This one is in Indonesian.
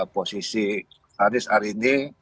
posisi anies hari ini